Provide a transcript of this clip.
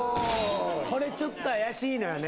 これちょっと怪しいのよね